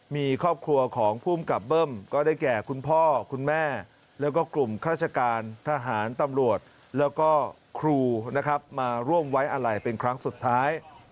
มีครอบครัวของภูมิกับเบิ้มก็ได้แก่คุณพ่อคุณแม่แล้วก็กลุ่มข้าราชการทหารตำรวจแล้วก็ครูนะครับมาร่วมไว้อะไรเป็นครั้งสุดท้าย